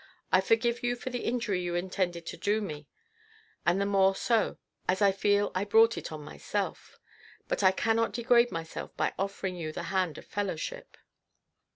I forgive you for the injury you intended to do me, and the more so, as I feel I brought it on myself; but I cannot degrade myself by offering you the hand of fellowship."